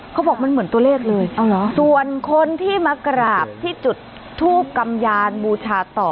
เขาบอกมันเหมือนตัวเลขเลยส่วนคนที่มากราบที่จุดทูบกำยานบูชาต่อ